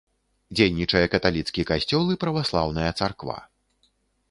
Дзейнічае каталіцкі касцёл і праваслаўная царква.